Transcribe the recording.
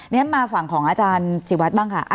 แล้วมาฝั่งของอาจารย์สิวัตติ์บ้างค่ะ